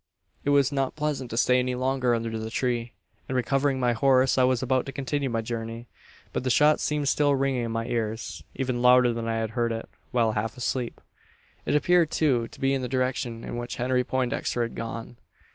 "It was not pleasant to stay longer under the tree; and, recovering my horse, I was about to continue my journey. "But the shot seemed still ringing in my ears even louder than I had heard it while half asleep! "It appeared, too, to be in the direction in which Henry Poindexter had gone.